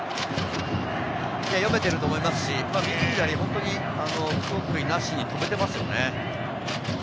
読めてると思いますし、右、左、不得意なしに止めてますよね。